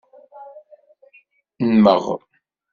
Mmeɣ.